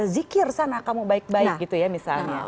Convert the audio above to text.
zikir sana kamu baik baik gitu ya misalnya